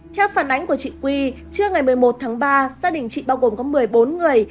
theo phản ánh của chị quy trưa ngày một mươi một tháng ba gia đình chị bao gồm có một mươi bốn người